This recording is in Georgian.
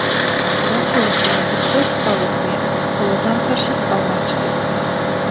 ზაფხულის წვიმების დროს წყალუხვია, ხოლო ზამთარში წყალმარჩხია.